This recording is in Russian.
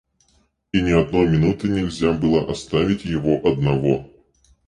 И ни одной минуты нельзя было оставить его одного.